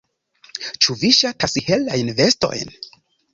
Ĉu vi ŝatas helajn vestojn?